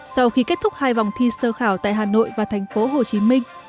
sau khi kết thúc hai vòng thi sơ khảo tại hà nội và thành phố hồ chí minh